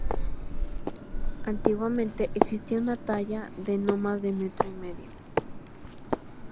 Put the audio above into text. Antiguamente existía una talla, de no más de metro y medio.